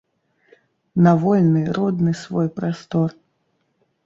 На вольны родны свой прастор.